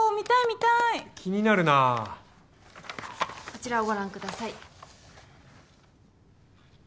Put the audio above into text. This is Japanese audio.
こちらをご覧ください。